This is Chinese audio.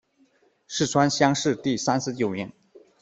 四川乡试第三十九名。